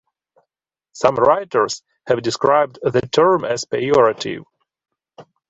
Some writers have described the term as pejorative.